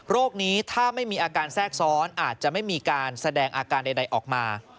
นี้ถ้าไม่มีอาการแทรกซ้อนอาจจะไม่มีการแสดงอาการใดออกมา